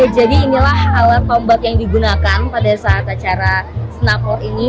jadi inilah alat pembat yang digunakan pada saat acara snapmort ini